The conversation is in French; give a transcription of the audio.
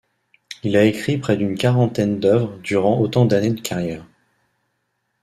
Il a écrit près d'une quarantaine d'œuvres durant autant d'années de carrière.